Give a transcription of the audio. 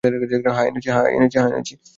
হ্যাঁ, এনেছি।